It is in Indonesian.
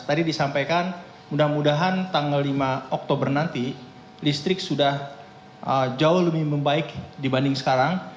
tadi disampaikan mudah mudahan tanggal lima oktober nanti listrik sudah jauh lebih membaik dibanding sekarang